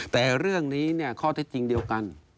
แต่เรื่องนี้ข้อเท็จจริงเดียวกัน